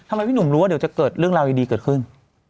พี่หนุ่มรู้ว่าเดี๋ยวจะเกิดเรื่องราวดีเกิดขึ้น